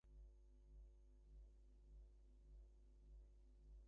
Gus G. is currently working on the follow up release of "Brand New Revolution".